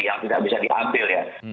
yang tidak bisa diambil ya